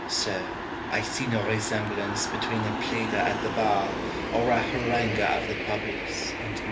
Sir, I see no resemblance between a pleader at the bar, or a haranguer of the populace, and me.